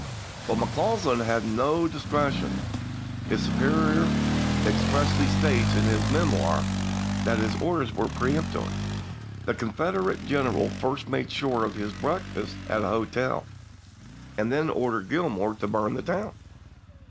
But McCausland had no discre tion; his superior expressly states in his "Memoir" that his orders were peremptory. The Confeder ate general first made sure of his breakfast at an hotel, and then ordered Gilmor to burn the town.